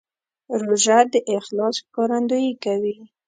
روژه د اخلاص ښکارندویي کوي.